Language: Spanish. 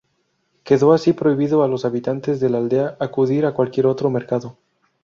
Quedó así prohibido a los habitantes de la aldea acudir a cualquier otro mercado.